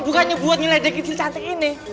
bukannya buat ngeledekin si cantik ini